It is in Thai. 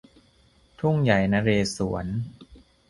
ทุ่งใหญ่นเรศวร